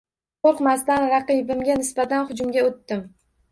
Qoʻrqmasdan raqibimga nisbatan hujumga oʻtdim.